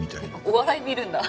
お笑い見るんだ。